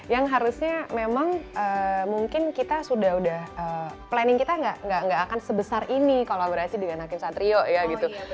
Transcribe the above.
yang harusnya memang mungkin kita sudah planning kita nggak akan sebesar ini kolaborasi dengan hakim satrio ya gitu